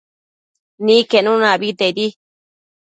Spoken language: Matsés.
Niquenuna abetedi